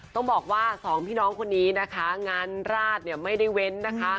ต้องบอกว่าสองพี่น้องคนนี้นะคะงานราชเนี่ยไม่ได้เว้นนะคะ